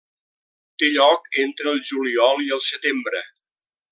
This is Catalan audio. Té lloc entre el juliol i el setembre.